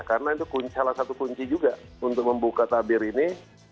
karena itu salah satu kunci juga untuk membuka tabir ini